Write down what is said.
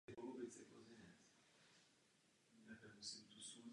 Jeho žena byla také učitelkou a tvořili spolu pozoruhodný pár.